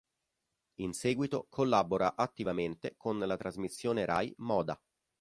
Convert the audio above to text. In seguito collabora attivamente con la trasmissione Rai "Moda".